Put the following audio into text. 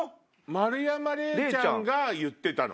丸山礼ちゃんが言ってたの？